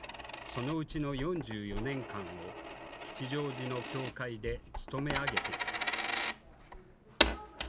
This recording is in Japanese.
そのうちの４４年間を吉祥寺の教会でつとめ上げてきた。